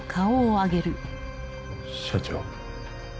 社長。